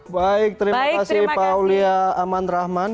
baik terima kasih pak aulia aman rahman